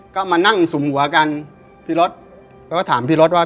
ก็มานั่งสุ่มหัวกันพี่รถแล้วก็ถามพี่รถว่า